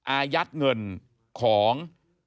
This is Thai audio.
อายัดเงินของ